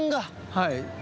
はい。